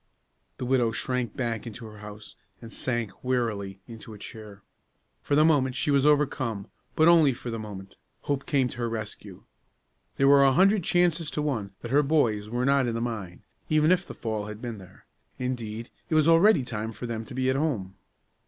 The widow shrank back into her house, and sank, weakly, into a chair. For the moment she was overcome; but only for the moment. Hope came to her rescue. There were a hundred chances to one that her boys were not in the mine, even if the fall had been there; indeed, it was already time for them to be at home.